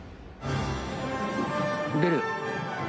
「出る」？